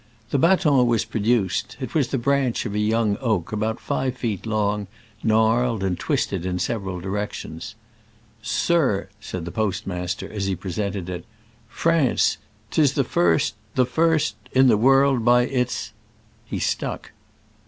The baton was produced : it was a branch of a young oak, about five feet long, gnarled and twisted in several directions. "Sir," said the postmaster, as he presented it, France ! 'tis the first — the first nation in the world, by its —" He stuck.